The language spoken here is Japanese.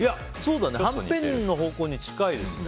はんぺんの方向に近いですね。